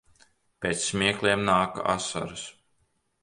Pēc smiekliem nāk asaras.